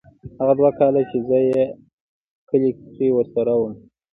هغه دوه کاله چې زه په کلي کښې ورسره وم.